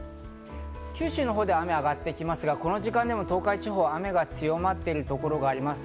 九州のほうで雨があがってきますが、この時間でも東海地方は雨が強まっているところがあります。